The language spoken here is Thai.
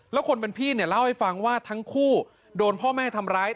แล้วคนเป็นพี่เนี่ยเล่าให้ฟังว่าทั้งคู่โดนพ่อแม่ทำร้าย